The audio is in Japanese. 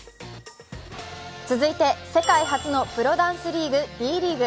続いて世界初のプロダンスリーグＤリーグ。